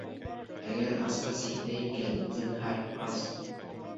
Әгәр асҡыс һиндә икән, зинһар, ас!